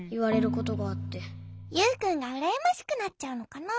ユウくんがうらやましくなっちゃうのかな？